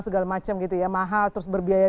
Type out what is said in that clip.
segala macam gitu ya mahal terus berbiaya